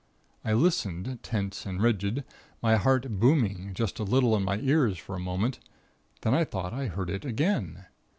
I listened, tense and rigid, my heart booming just a little in my ears for a moment; then I thought I heard it again.